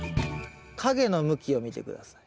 影の向きを見て下さい。